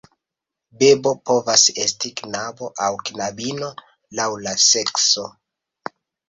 Bebo povas esti knabo aŭ knabino, laŭ la sekso.